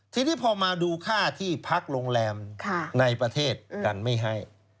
ทีนี้พอมาดูค่าที่พักโรงแรมในประเทศกันไม่ให้